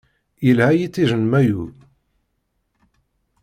Yelha yiṭij n mayu.